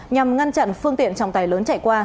nhằm ngăn chặn phương tiện trọng tài lớn chạy qua